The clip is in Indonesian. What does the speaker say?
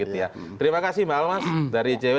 terima kasih mbak almas dari icw